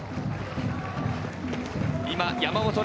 今、山本雷